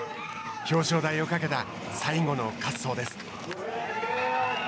表彰台をかけた最後の滑走です。